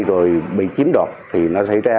rồi bị chiếm đoạt thì nó xảy ra